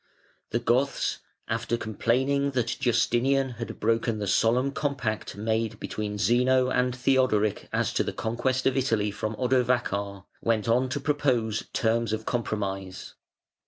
The Goths, after complaining that Justinian had broken the solemn compact made between Zeno and Theodoric as to the conquest of Italy from Odovacar, went on to propose terms of compromise.